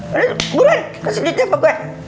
buruan kasih duitnya apa gue